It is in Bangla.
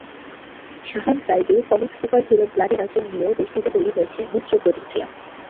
শাহান যাইদির কমিক সুপারহিরো ব্লাডি নাসরিন নিয়েও দেশটিতে তৈরি হয়েছে মিশ্র প্রতিক্রিয়া।